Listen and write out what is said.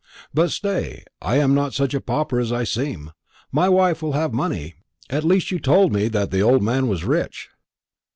But, stay, I am not such a pauper as I seem. My wife will have money; at least you told me that the old man was rich."